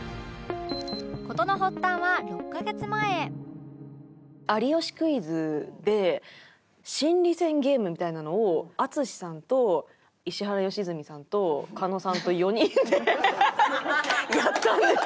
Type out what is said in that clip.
事の発端は６カ月前みたいなのを淳さんと石原良純さんと狩野さんと４人でやったんですよ。